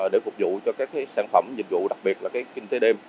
để phục vụ cho các cái sản phẩm dịch vụ đặc biệt là cái kinh tế đêm